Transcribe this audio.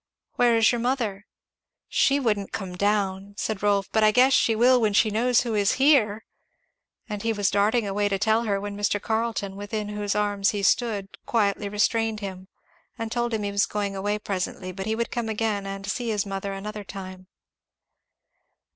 "Where is your mother?" "She wouldn't come down," said Rolf, "but I guess she will when she knows who is here " And he was darting away to tell her, when Mr. Carleton, within whose arms he stood, quietly restrained him, and told him he was going away presently, but would come again and see his mother another time.